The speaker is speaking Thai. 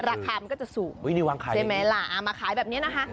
ราคามันก็จะสูงเอามาขายแบบเนี้ยนะคะ